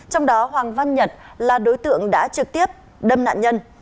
trong đó hoàng văn nhật là đối tượng đã trực tiếp đâm nạn nhân